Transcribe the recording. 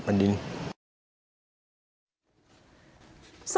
กลัวโดนตีอ้าว